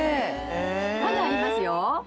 まだありますよ。